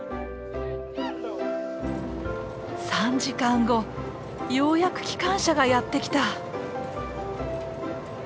３時間後ようやく機関車がやって来た。